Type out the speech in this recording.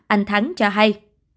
anh thắng cho hay